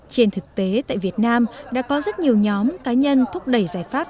trên thực tế tại việt nam đã có rất nhiều nhóm cá nhân thúc đẩy giải pháp